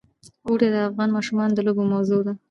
اوړي د افغان ماشومانو د لوبو موضوع ده.